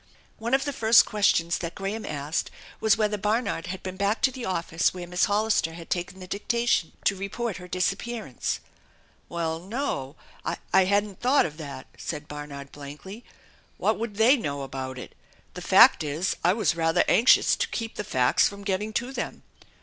One of the first questions that Graham asked was whether Barnard had been back to the office where Miss Hollister had taken the dictation, to report her disappearance. *66 THE ENCHANTED BARN "Well, no, I hadn't thought of that/'' said Barnard blankly. " What would they know about it ? The fact is I was rather anxious to keep the facts from getting to them.